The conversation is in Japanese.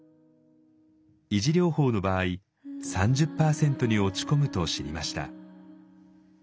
維持療法の場合３０％に落ち込むと知りました。